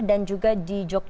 dan juga di jawa tengah